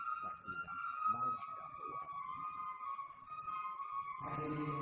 mudah mudahan keluarga kedua mempelai mempelai berkah